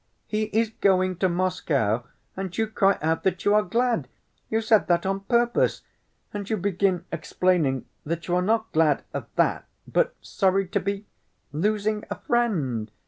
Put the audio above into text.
"He is going to Moscow, and you cry out that you are glad. You said that on purpose! And you begin explaining that you are not glad of that but sorry to be—losing a friend.